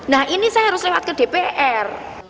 nah ini saya harus lewat ke dpr